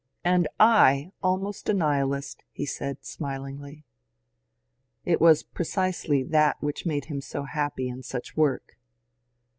^^ And I almost a nihilist !" he said smilingly. It was precisely that which made him so happy in such work.